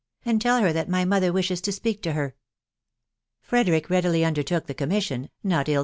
• and tell her that my note wishes to speak to her." Frederick readily undertook the commission, not ill